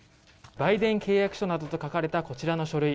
売電契約書などと書かれたこちらの書類。